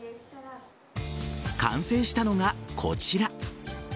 完成したのがこちら。